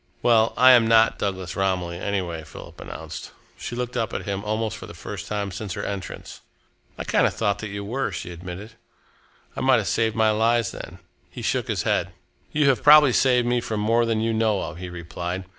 "Well, I am not Douglas Romilly, anyway," Philip announced. She looked up at him almost for the first time since her entrance. "I kind of thought you were," she admitted. "I might have saved my lies, then." He shook his head. "You have probably saved me from more than you know of," he replied.